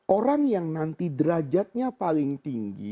orang yang nanti derajatnya paling tinggi